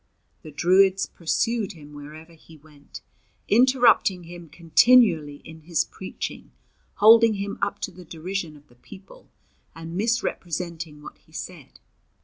The Druids pursued him wherever he went, interrupting him continually in his preaching, holding him up to the derision of the people, and misrepresenting what he said.